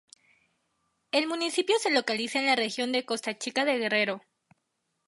El municipio se localiza en la región de Costa Chica de Guerrero.